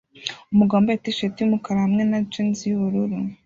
Umugabo wambaye t-shati yumukara hamwe na jeans yubururu